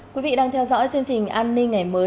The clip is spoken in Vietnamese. quý vị đang theo dõi chương trình an ninh ngày mới